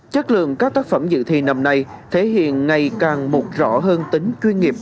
chất lượng các tác phẩm dự thi năm nay thể hiện ngày càng một rõ hơn tính chuyên nghiệp